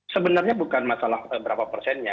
sebenarnya bukan masalah berapa persennya